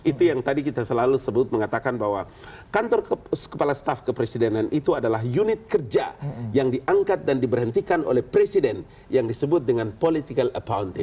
itu yang tadi kita selalu sebut mengatakan bahwa kantor kepala staf kepresidenan itu adalah unit kerja yang diangkat dan diberhentikan oleh presiden yang disebut dengan political appounting